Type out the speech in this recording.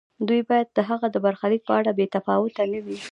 دوی باید د هغه د برخلیک په اړه بې تفاوت نه وي.